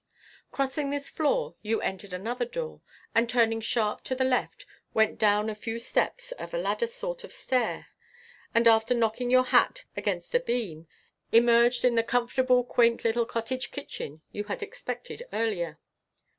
Crossing this floor, you entered another door, and turning sharp to the left, went down a few steps of a ladder sort of stair, and after knocking your hat against a beam, emerged in the comfortable quaint little cottage kitchen you had expected earlier.